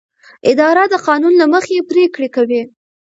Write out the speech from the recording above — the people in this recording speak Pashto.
اداره د قانون له مخې پریکړې کوي.